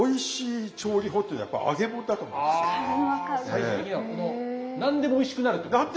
最終的には何でもおいしくなるってことですね。